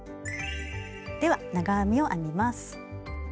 では長編みを編みます。